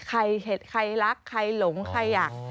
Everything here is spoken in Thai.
ใครรักใครหลงใครอยาก